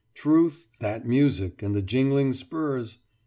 Truth that music and the jingling spurs?